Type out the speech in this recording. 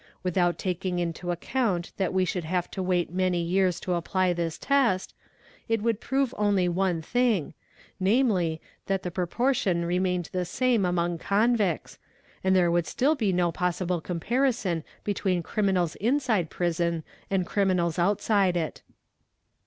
Without taking into account that we should have to wait many years to apply this test, it would prove only one thing, namely, that the proportion remained the same among convicts, and there would still be no possible comparison between crimi nals inside prison and criminals outside it.